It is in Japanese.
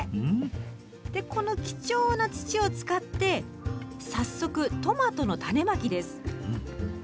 でこの貴重な土を使って早速トマトの種まきです。